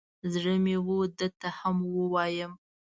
زړه مې و ده ته هم ووایم.